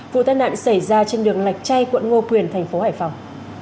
vụ tai nạn xảy ra trên đường lạch chay quận ngô quyền thành phố hải phòng